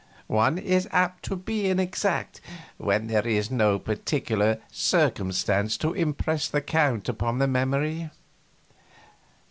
One is apt to be inexact when there is no particular circumstance to impress the count upon the memory."